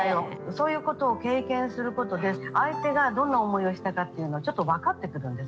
そういうことを経験することで相手がどんな思いをしたかっていうのはちょっと分かってくるんですね。